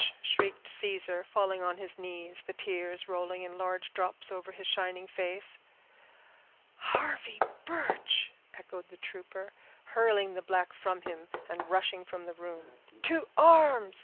shrieked Caesar, falling on his knees, the tears rolling in large drops over his shining face. "Harvey Birch!" echoed the trooper, hurling the black from him, and rushing from the room. "To arms!